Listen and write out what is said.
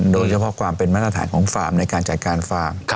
โดยเฉพาะความเป็นมาตรฐานของฟาร์มในการจัดการฟาร์ม